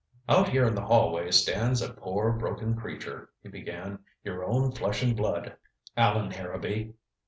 "Out here in the hallway stands a poor broken creature," he began. "Your own flesh and blood, Allan Harrowby."